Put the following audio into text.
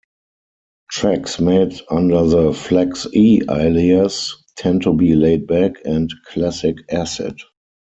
Tracks made under the FlexE alias tend to be laid-back and classic acid.